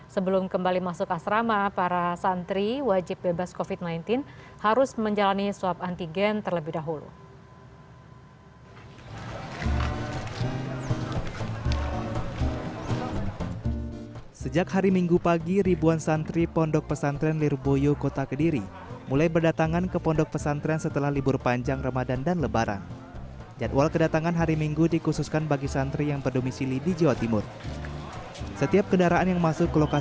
sebelum kembali masuk asrama para santri wajib bebas covid sembilan belas harus menjalani swab antigen terlebih dahulu